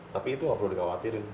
tapi itu nggak perlu dikhawatirin